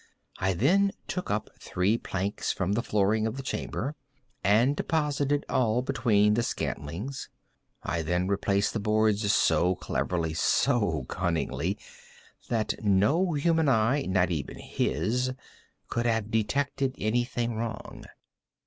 I then took up three planks from the flooring of the chamber, and deposited all between the scantlings. I then replaced the boards so cleverly, so cunningly, that no human eye—not even his—could have detected any thing wrong.